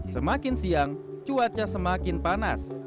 semakin siang cuaca semakin panas